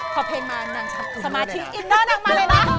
พอเพลงมานางสมาธิอินเดอร์นางมาเลยนะ